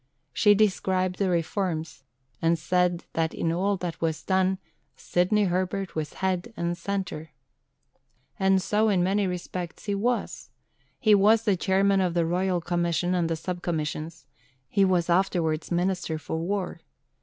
She described the reforms, and said that in all that was done "Sidney Herbert was head and centre." And so in many respects he was. He was the Chairman of the Royal Commission and the Sub Commissions. He was afterwards Minister for War.